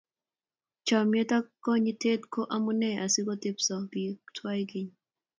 Chomyet ak konyite ko amune asiku tebsot biik tuwai keny